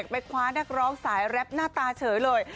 ไปคว้านักร้องสายแรปหน้าตาเฉยเลย